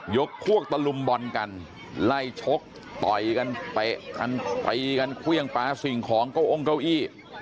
ยกพวกตะลุมบอลกันไล่ชกต่อยกันไปกันเครื่องป๊าสิ่งของเก้าอ้งเก้าอี้